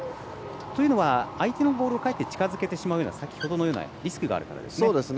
というのは相手のボールをかえって近づけるような先ほどのようなリスクがあるからですね。